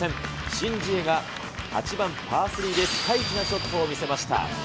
申ジエが８番パー３でピカイチなショットを見せました。